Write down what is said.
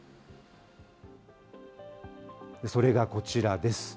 それがこちらです。